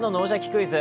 クイズ」